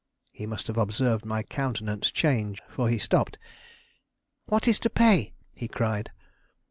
He must have observed my countenance change, for he stopped. "What is to pay?" he cried.